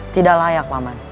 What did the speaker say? tidak layak paman